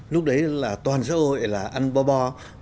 lúc đấy là toàn xã hội là ăn bò bò